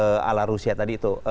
sejarah evolusi manusia tadi itu